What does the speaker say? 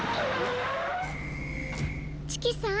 チキさん